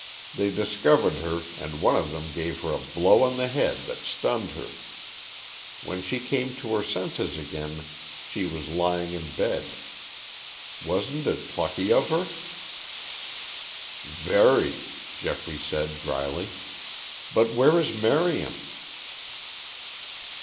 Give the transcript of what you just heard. They discovered her and one of them gave her a blow on the head that stunned her. When she came to her senses again she was lying in bed. Wasn't it plucky of her?" "Very," Geoffrey said dryly; "but where is Marion?"